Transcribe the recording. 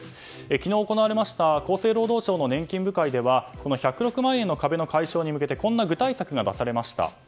昨日行われました厚生労働省の年金部会ではこの１０６万円の壁の解消に向け具体策が出されました。